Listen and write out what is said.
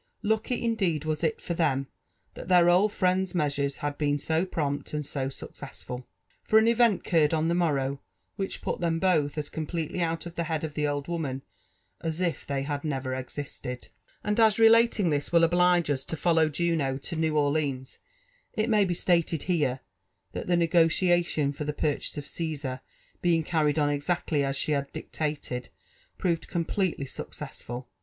Lucky indeed was it for them that their old friend's measures had been so prompt and no aucoessful, for an event occurred on the morrow whi<6h put them both as completely out of the head of the old woman as if they had never existed ; and as the relating this will oblige us to follow Juno to New Orleans, It may be stated here, that tbe negotiatioD for the purahase of CaMNir being carried on exactly as die had dictated, proved oompletely successful.